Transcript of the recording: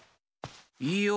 いいよ。